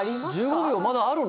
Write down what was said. １５秒まだあるの？